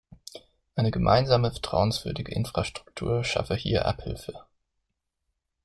Eine gemeinsame vertrauenswürdige Infrastruktur schaffe hier Abhilfe.